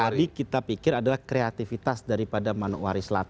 tadi kita pikir adalah kreativitas daripada manokwari selatan